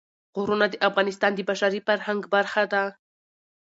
غرونه د افغانستان د بشري فرهنګ برخه ده.